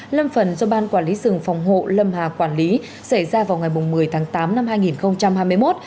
lâm phần do ban quản lý rừng phòng hộ lâm hà quản lý xảy ra vào ngày một mươi tháng tám năm hai nghìn hai mươi một